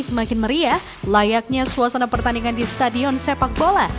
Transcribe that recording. semakin meriah layaknya suasana pertandingan di stadion sepak bola